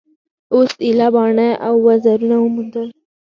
اوس ایله باڼه او وزرونه وموندل.